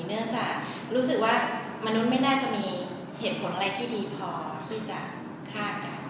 เนื่องจากรู้สึกว่ามนุษย์ไม่น่าจะมีเหตุผลอะไรที่ดีพอที่จะฆ่ากัน